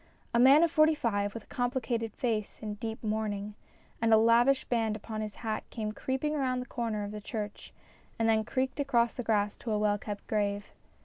A man of forty five, with a complicated face, in deep mourning, and with a lavish band upon his hat came creaking round the corner of the church and then creaked across the grass to a well kept grave.